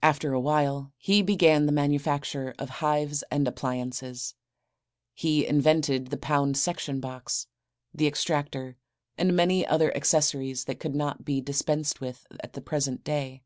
After a while he began the manufacture of hives and appliances. He invented the pound section box, the extractor and many other accessories that could not be dispensed with at the present day.